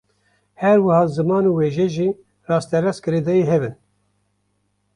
Her wiha ziman û wêje jî rasterast girêdayî hev in